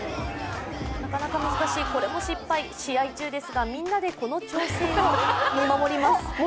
なかなか難しい、これも失敗、試合中ですがみんなでこの挑戦を見守ります。